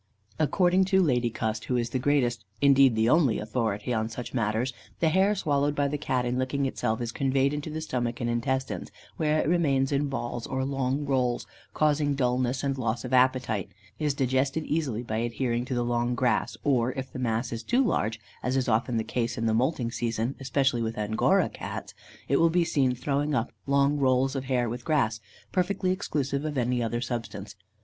According to Lady Cust, who is the greatest, indeed, the only authority on such matters, the hair swallowed by the Cat in licking itself, and conveyed into the stomach and intestines, where it remains in balls or long rolls, causing dulness and loss of appetite, is digested easily by adhering to the long grass; or if the mass is too large, as is often the case in the moulting season, especially with Angora Cats, it will be seen thrown up: long rolls of hair with grass; perfectly exclusive of any other substance.